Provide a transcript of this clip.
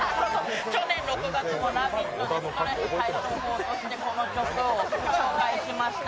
去年６月の「ラヴィット！」でストレス解消でこの曲を紹介しました。